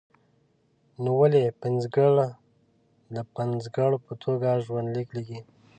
نو ولې پنځګر د پنځګر په توګه ژوند لیک لیکي.